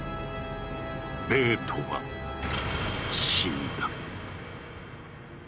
ベートは死んだ。